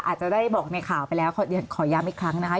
อาจจะได้บอกในข่าวไปแล้วขอย้ำอีกครั้งนะคะ